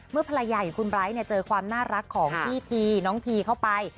เมื่อภรรายาหรือคุณไบร์สเนี่ยเจอความน่ารักของพี่ทีน้องพีเข้าไป